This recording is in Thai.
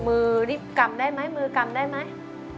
มือนี่กรรมได้ไหมมือกรรมได้ไหม